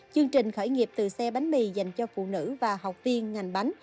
chương trình khởi nghiệp từ xe bánh mì dành cho phụ nữ và học viên ngành bánh